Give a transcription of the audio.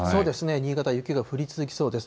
新潟、雪が降り続きそうです。